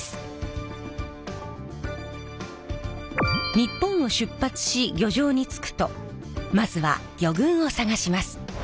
日本を出発し漁場に着くとまずは魚群を探します。